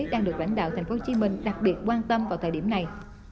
đang được lãnh đạo tp hcm đặc biệt quan tâm vào thời điểm này